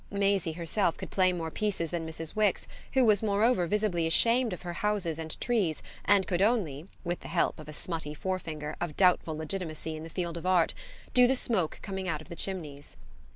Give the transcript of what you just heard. Maisie herself could play more pieces than Mrs. Wix, who was moreover visibly ashamed of her houses and trees and could only, with the help of a smutty forefinger, of doubtful legitimacy in the field of art, do the smoke coming out of the chimneys.